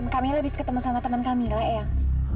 kamila habis ketemu sama teman kamila ayang